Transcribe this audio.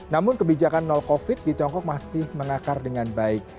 namun kebijakan nol covid di tiongkok masih mengakar dengan baik